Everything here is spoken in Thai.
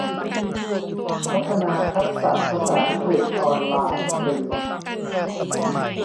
พัฒนาทักษะภาษาอังกฤษออนไลน์ฟรี